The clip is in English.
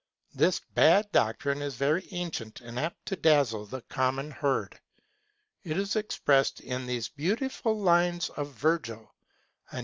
This bad doctrine is very ancient and apt to dazzle the common herd. It is expressed in these beautiful lines of Vergil (_Aen.